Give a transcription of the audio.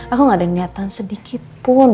aku gak ada niatan sedikit pun